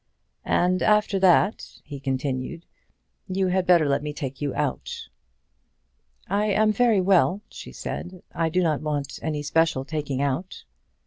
"And after that," he continued, "you had better let me take you out." "I am very well," she said. "I do not want any special taking out."